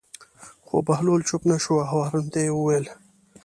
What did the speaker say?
خو بهلول چوپ نه شو او هارون ته یې وویل.